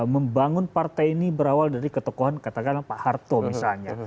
membangun partai ini berawal dari ketokohan katakanlah pak harto misalnya